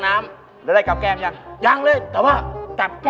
นานเป็นเรือเป็ดครับ